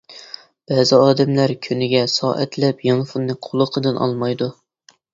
بەزى ئادەملەر كۈنىگە سائەتلەپ يانفونىنى قۇلىقىدىن ئالمايدۇ.